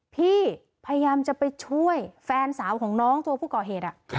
พี่พยายามจะไปช่วยแฟนสาวของน้องตัวผู้ก่อเหตุ